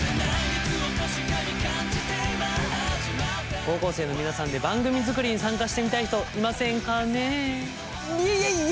高校生の皆さんで番組作りに参加してみたい人いませんかねえ？